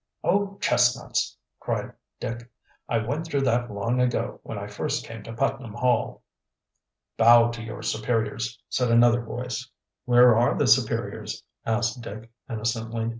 "Oh, chestnuts!" cried Dick. "I went through that long ago, when I first came to Putnam Hall." "Bow to your superiors," said another voice. "Where are the superiors?" asked Dick innocently.